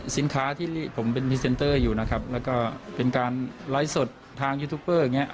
สินค้าที่ผมเป็นพรีเซนเตอร์อยู่นะครับแล้วก็เป็นการไลฟ์สดทางยูทูปเปอร์อย่างเงี้